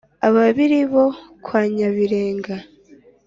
ababiri bo kwa nyabirega